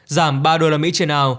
giảm ba đô la mỹ trên ao